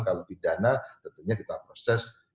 kalau pidana tentunya kita proses